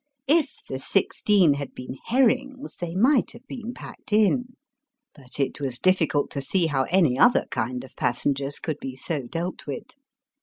K the sixteen had been herrings they might have been packed in, but it was difficult to see how any other kind of passen gers could be so dealt with.